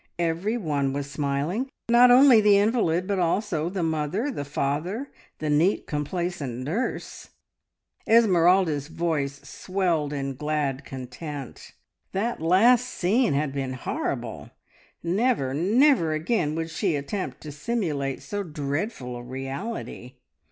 Every one was smiling not only the invalid, but also the mother, the father, the neat, complacent nurse. Esmeralda's voice swelled in glad content. That last scene had been horrible; never, never again would she attempt to simulate so dreadful a reality!